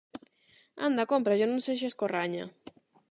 Anda, cómprallo, non sexas corraña.